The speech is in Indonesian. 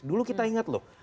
dulu kita ingat loh